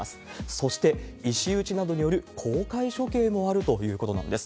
そして、石打ちなどによる公開処刑もあるということなんです。